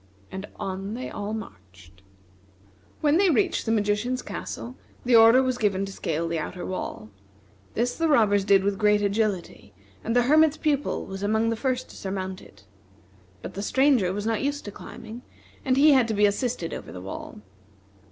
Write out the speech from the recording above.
And on they all marched. When they reached the magician's castle, the order was given to scale the outer wall. This the robbers did with great agility, and the Hermit's Pupil was among the first to surmount it. But the Stranger was not used to climbing, and he had to be assisted over the wall.